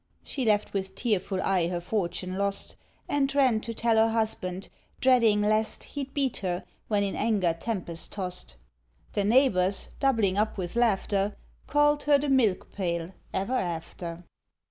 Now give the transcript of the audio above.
She left with tearful eye her fortune lost, And ran to tell her husband, dreading lest He'd beat her, when in anger tempest tossed. The neighbours, doubling up with laughter, Called her the Milk pail ever after.